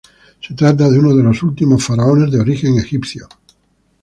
Se trata de uno de los últimos faraones de origen egipcio.